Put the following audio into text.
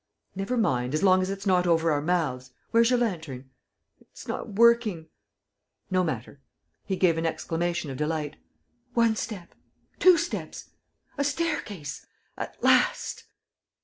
..." "Never mind, as long as it's not over our mouths. ... Where's your lantern?" "It's not working." "No matter." He gave an exclamation of delight. "One step ... two steps! ... A staircase. ... At last!"